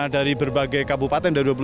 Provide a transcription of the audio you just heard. nah dari berbagai kabupaten bisnis indonesia ini